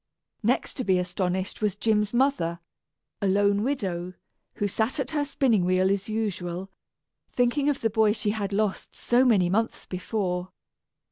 Next to be astonished was Jim's mother, a lone widow, who sat at her spinning wheel as usual, thinking of the boy she had lost so many months before.